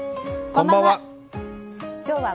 こんばんは。